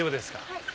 はい。